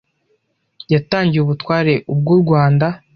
Yatangiye ubutware ubwo u Rwanda